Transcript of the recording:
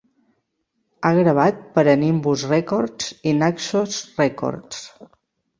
Ha gravat per a Nimbus Records i Naxos Records.